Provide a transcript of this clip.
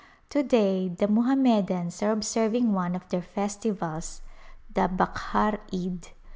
To day the Mohammedans are observing one of their festivals, the Bakhr Pd.